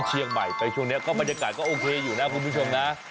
เชียงใหม่ไปช่วงนี้ก็บรรยากาศก็โอเคอยู่นะคุณผู้ชมนะ